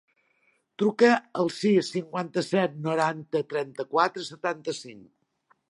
Truca al sis, cinquanta-set, noranta, trenta-quatre, setanta-cinc.